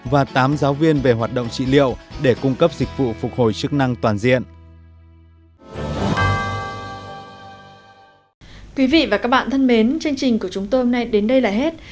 và tám giáo viên về hoạt động trị liệu để cung cấp dịch vụ phục hồi chức năng toàn diện